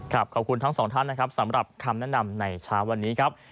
ขอบคุณทั้งสองท่านนะครับสำหรับคำแนะนำในเช้าวันนี้ครับ